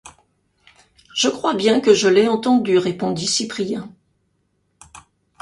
Je crois bien que je l’ai entendu! répondit Cyprien.